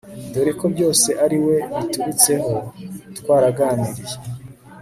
doreko byose ariwe byaturutseho twaraganiriye